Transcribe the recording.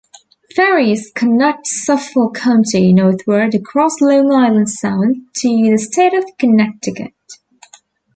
Ferries connect Suffolk County northward across Long Island Sound to the state of Connecticut.